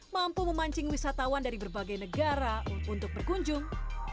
mampu memancing wisatawan dari berbagai negara untuk berkunjung